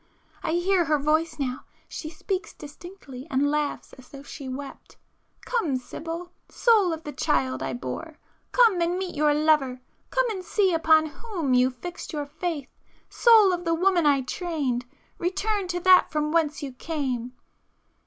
I hear her voice now;—she speaks distinctly, and laughs as though she wept; 'Come Sibyl! Soul of the [p 423] child I bore, come and meet your lover! Come and see upon WHOM you fixed your faith! Soul of the woman I trained, return to that from whence you came!